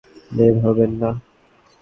বের হবেন না।